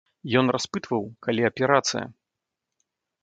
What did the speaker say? Ён распытваў, калі аперацыя.